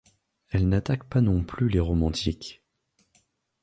Elle n'attaque pas non plus les romantiques.